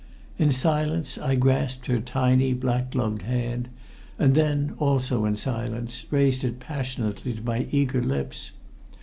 In silence I grasped her tiny black gloved hand, and then, also in silence, raised it passionately to my eager lips.